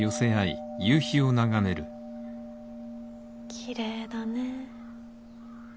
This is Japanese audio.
きれいだね。